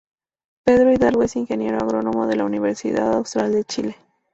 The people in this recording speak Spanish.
Pedro Hidalgo es Ingeniero Agrónomo de la Universidad Austral de Chile.